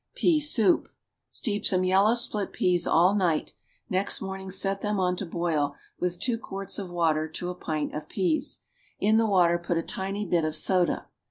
PEA SOUP. Steep some yellow split peas all night, next morning set them on to boil with two quarts of water to a pint of peas; in the water put a tiny bit of soda.